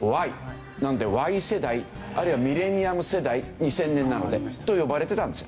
なのでＹ世代あるいはミレニアル世代２０００年なので。と呼ばれてたんですよ。